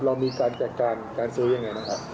เรามีการจัดการการซื้อยังไงนะครับ